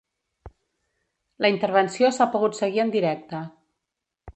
La intervenció s’ha pogut seguir en directe.